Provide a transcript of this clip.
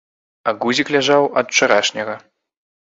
А гузік ляжаў ад учарашняга.